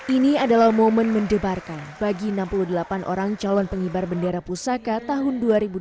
ini adalah momen mendebarkan bagi enam puluh delapan orang calon pengibar bendera pusaka tahun dua ribu dua puluh